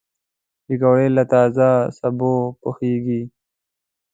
پکورې له تازه سبو پخېږي